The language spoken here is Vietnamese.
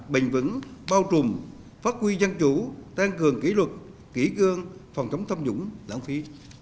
bình vững bao trùm phát huy dân chủ tăng cường kỷ luật kỹ cương phòng chống thâm dũng đảng phi